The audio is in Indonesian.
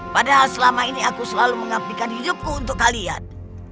padahal selama ini aku selalu mengabdikan hidupku untuk kalian